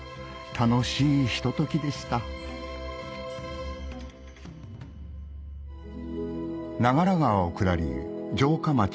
楽しいひとときでした長良川を下り城下町